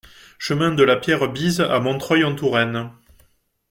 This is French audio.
Chemin de la Pierre Bise à Montreuil-en-Touraine